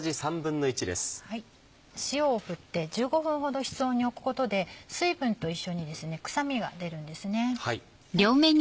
塩を振って１５分ほど室温に置くことで水分と一緒に臭みが出るんですね。